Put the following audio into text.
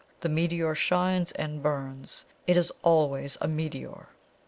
The meteor shines and burns; it is always a meteor!"